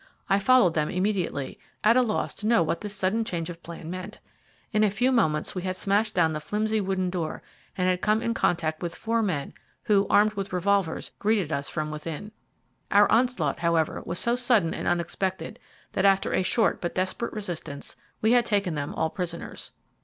I followed them immediately, at a loss to know what this sudden change of plan meant. In a few moments we had smashed down the flimsy wooden door and had come in contact with four men, who, armed with revolvers, greeted us from within. Our onslaught, however, was so sudden and unexpected, that after a short but desperate resistance we had taken them all prisoners.